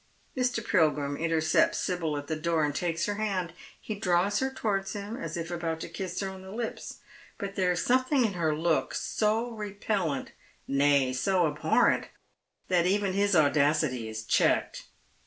Mr. Pilgrim intercepts Sibyl at the door, and takes her hand. He draws her towards him, as if about to kiss her on the lips ; but there is something in her look so repcllant, nay. so abhorrent, that even his audacity is checked.